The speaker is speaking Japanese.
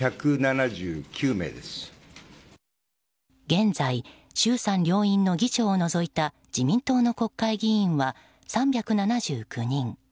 現在、衆参両院の議長を除いた自民党の国会議員は３７９人。